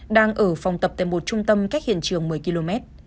đang ở phòng tập tại một trung tâm cách hiện trường một mươi km